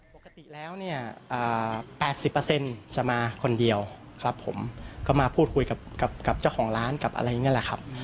ปกติแล้วเนี่ย๘๐จะมาคนเดียวครับผมก็มาพูดคุยกับเจ้าของร้านกับอะไรอย่างนี้แหละครับ